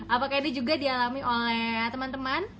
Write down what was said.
apakah ini juga dialami oleh teman teman